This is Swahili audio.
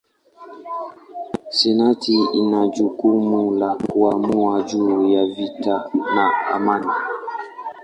Senati ina jukumu la kuamua juu ya vita na amani.